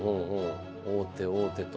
王手王手と。